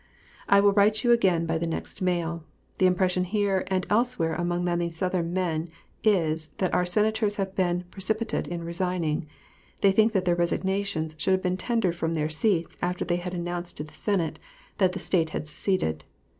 I will write to you again by the next mail. The impression here and elsewhere among many Southern men is, that our Senators have been precipitate in resigning; they think that their resignations should have been tendered from their seats after they had announced to the Senate that the State had seceded.